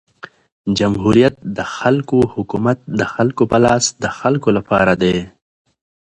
جمهوریت د خلکو حکومت د خلکو په لاس د خلکو له پاره دئ.